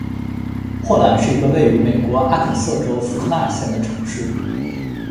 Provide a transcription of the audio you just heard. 霍兰是一个位于美国阿肯色州福克纳县的城市。